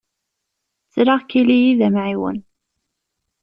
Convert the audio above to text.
Ttreɣ-k ili-yi d amɛiwen.